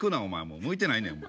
もう向いてないねん。